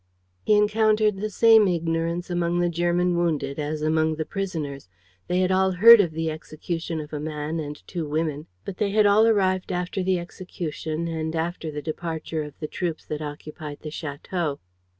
He encountered the same ignorance among the German wounded as among the prisoners. They had all heard of the execution of a man and two women, but they had all arrived after the execution and after the departure of the troops that occupied the château.